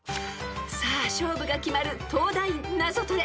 ［さあ勝負が決まる東大ナゾトレ］